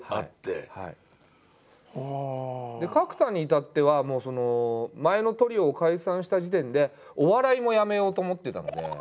角田に至ってはもう前のトリオを解散した時点でお笑いも辞めようと思ってたので。